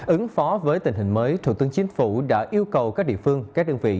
ứng phó với tình hình mới thủ tướng chính phủ đã yêu cầu các địa phương các đơn vị